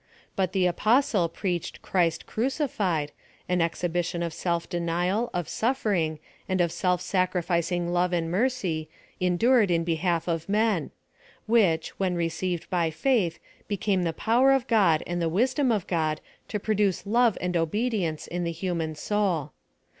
But the apos tle preached CHRIST CRUCIFIED, an exhibition of self denial, of suffering, and of self sacrificing love and mercy, endured in behalf of men; which, when received by faith, became the power of God and the wisdom of God to produce love and obedi ence in the human soul.